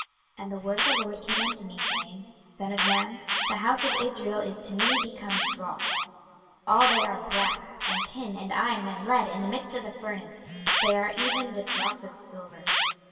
26:022:017 And the word of the LORD came unto me, saying, 26:022:018 Son of man, the house of Israel is to me become dross: all they are brass, and tin, and iron, and lead, in the midst of the furnace; they are even the dross of silver.